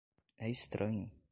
É estranho.